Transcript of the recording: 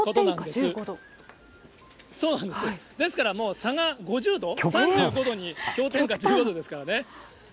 氷点下１５度？ですからもう差が、５０度、３５度に氷点下１５度ですからね。